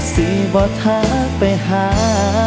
สิบ่ทักไปหา